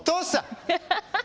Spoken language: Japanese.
アハハハハ。